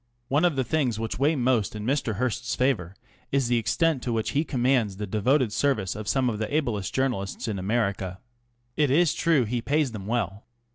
One of the things which weigh most in Mr. Hearst's favour is the extent to which he commands the devoted service of some of the ablest journalists in America. It is true he pays them well.